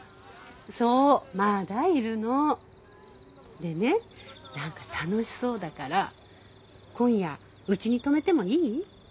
でね何か楽しそうだから今夜うちに泊めてもいい？